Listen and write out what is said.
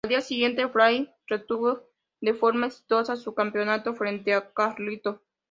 Al día siguiente, Flair retuvo de forma exitosa su Campeonato frente a Carlito.